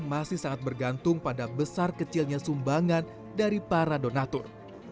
masih sangat bergantung pada besar kecilnya sumbangan dari para donatur